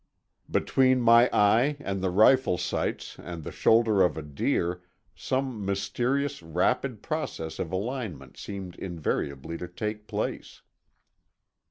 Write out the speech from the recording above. Between my eye and the rifle sights and the shoulder of a deer some mysterious, rapid process of alignment seemed invariably to take place.